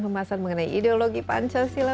pembahasan mengenai ideologi pancasila